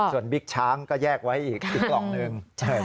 ส่วนบิ๊กช้างก็แยกไว้อีกกล่องหนึ่ง